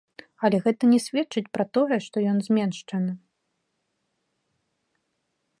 Але гэта не сведчыць пра тое, што ён зменшаны.